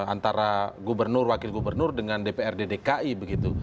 antara gubernur wakil gubernur dengan dprd dki begitu